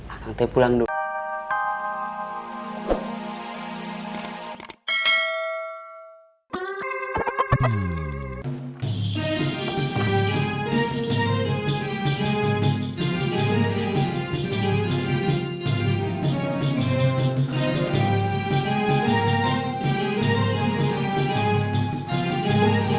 akang teh pulang dulu